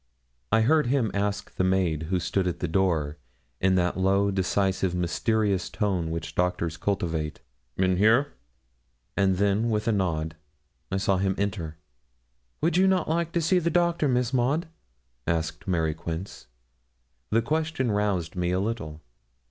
I heard him ask the maid who stood at the door, in that low, decisive, mysterious tone which doctors cultivate 'In here?' And then, with a nod, I saw him enter. 'Would not you like to see the Doctor, Miss Maud?' asked Mary Quince. The question roused me a little.